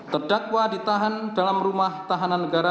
terdakwa ditahan dalam rumah tahanan negara